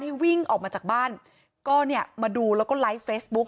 ให้วิ่งออกมาจากบ้านก็มาดูแล้วก็ไลค์เฟซบุ๊ค